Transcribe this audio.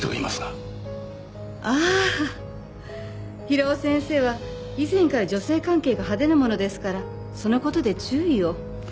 ああ平尾先生は以前から女性関係が派手なものですからその事で注意を。